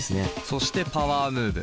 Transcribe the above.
そしてパワームーブ。